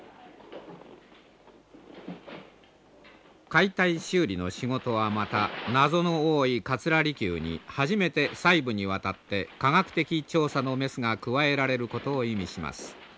解体修理の仕事はまた謎の多い桂離宮に初めて細部にわたって科学的調査のメスが加えられることを意味します。